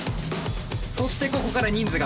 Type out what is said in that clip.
そしてここから人数が増える。